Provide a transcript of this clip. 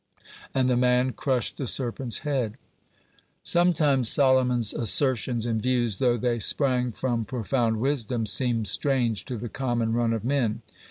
And the man crushed the serpent's head. (31) Sometimes Solomon's assertions and views, though they sprang from profound wisdom, seemed strange to the common run of men.